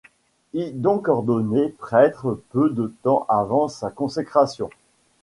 Il donc ordonné prêtre peu de temps avant sa consécration.